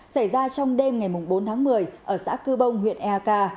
xảy ra trong đêm ngày bốn tháng một mươi ở xã cư bông huyện eak